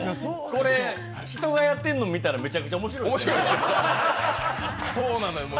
これ、人がやってるの見たらめちゃめちゃ面白いです。